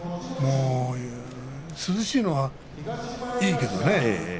涼しいのはいいけどね。